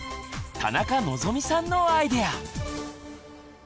田中望さんのアイデア。